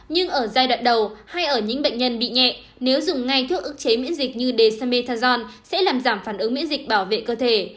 nhưng ở giai đoạn đầu hay ở những bệnh nhân bị nhẹ nếu dùng ngay thước ước chế miễn dịch như desmetajon sẽ làm giảm phản ứng miễn dịch bảo vệ cơ thể